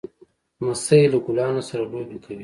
لمسی له ګلانو سره لوبې کوي.